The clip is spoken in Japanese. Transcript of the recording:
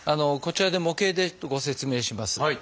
こちらで模型でちょっとご説明します。